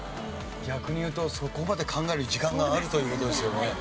逆に言うとそこまで考える時間があるという事ですよね。